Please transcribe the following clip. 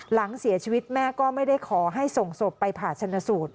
หลังเสียชีวิตแม่ก็ไม่ได้ขอให้ส่งศพไปผ่าชนสูตร